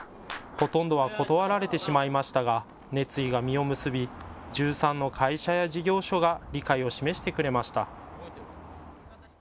ほとんどは断られてしまいましたが熱意が実を結び、１３の会社や事業所が理解を示してくれました。